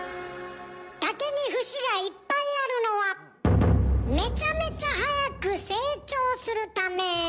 竹に節がいっぱいあるのはめちゃめちゃ早く成長するため。